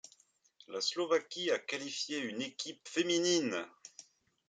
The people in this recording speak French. La Slovaquie a qualifié une équipe féminine.